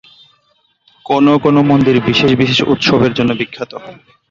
কোনো কোনো মন্দির বিশেষ বিশেষ উৎসবের জন্য বিখ্যাত।